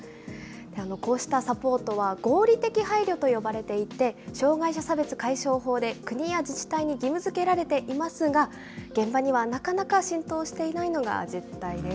こうしたサポートは合理的配慮と呼ばれていて、障害者差別解消法で、国や自治体に義務づけられていますが、現場にはなかなか浸透していないのが実態です。